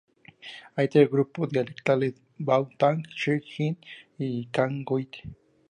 Hay tres grupos dialectales, Bao-Tang, Shi-Ji, y Cang-Hui.